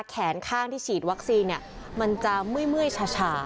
แขนข้างที่ฉีดวัคซีนมันจะเมื่อยชา